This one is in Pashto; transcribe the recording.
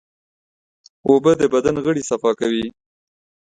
اوبه د بدن غړي صفا کوي.